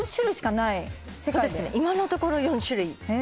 今のところ４種類。